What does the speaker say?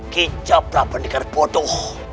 kijablah pendekar bodoh